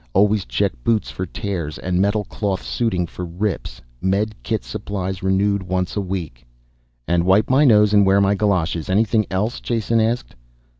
Always check boots for tears and metalcloth suiting for rips. Medikit supplies renewed once a week." "And wipe my nose and wear my galoshes. Anything else?" Jason asked.